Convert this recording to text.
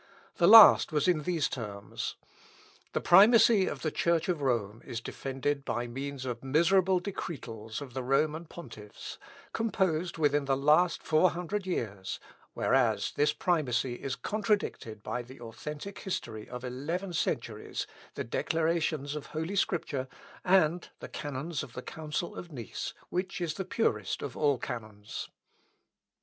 The last was in these terms: "The primacy of the Church of Rome is defended by means of miserable decretals of the Roman pontiffs, composed within the last four hundred years; whereas this primacy is contradicted by the authentic history of eleven centuries, the declarations of Holy Scripture, and the canons of the Council of Nice, which is the purest of all Councils."